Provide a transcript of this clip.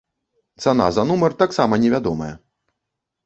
Цана за нумар таксама невядомая.